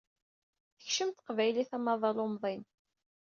Tekcem teqbaylit amaḍal umḍin.